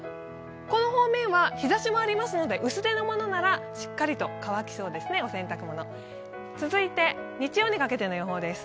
この方面は日ざしもありますので、薄手のものならしっかりとお洗濯物、乾きそうですね。